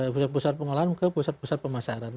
pusat pusat pengolahan ke pusat pusat pemasaran